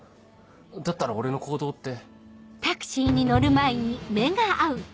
だったら俺の行動って。